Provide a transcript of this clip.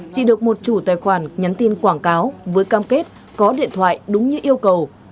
chỉ được một chủ tài khoản nhắn tin quảng cáo với cam kết có điện thoại đúng như yêu cầu